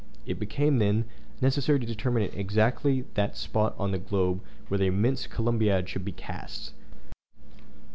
It became, then, necessary to determine exactly that spot on the globe where the immense Columbiad should be cast.